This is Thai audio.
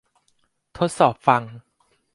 ทดสอบฟัง